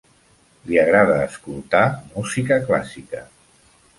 Li agrada escoltar música clàssica.